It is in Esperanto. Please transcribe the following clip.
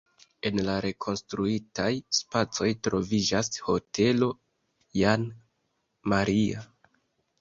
En la rekonstruitaj spacoj troviĝas hotelo Jan Maria.